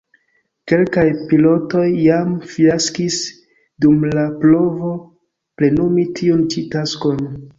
Kelkaj pilotoj jam fiaskis dum la provo plenumi tiun ĉi taskon.